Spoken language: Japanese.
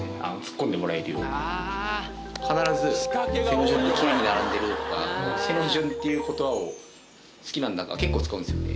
必ず「背の順にきれいに並んでる」とか「背の順」っていう言葉を好きなんだか結構使うんですよね